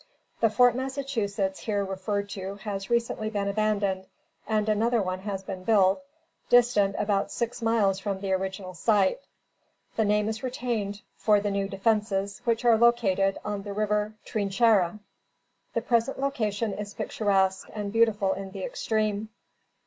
The Fort Massachusetts here referred to has recently been abandoned and another one has been built, distant about six miles from the original site. The name is retained for the new defences, which are located on the river Trinchera. The present location is picturesque, and beautiful in the extreme.